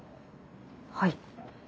はい。